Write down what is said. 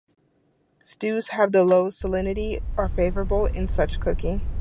Stews that have low salinity are favorable in such cooking.